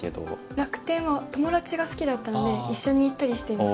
楽天は友達が好きだったので一緒に行ったりしていました。